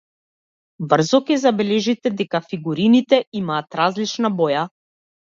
Брзо ќе забележите дека фигурините имаат различна боја.